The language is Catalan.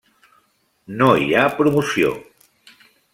No hi ha promoció.